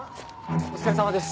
お疲れさまです